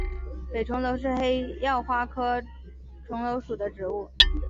北重楼是黑药花科重楼属的植物。